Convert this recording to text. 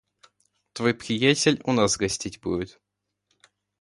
Твой приятель у нас гостить будет...